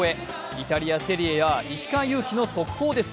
イタリアセリエＡ・石川祐希の速報です。